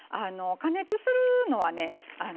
加熱するのはね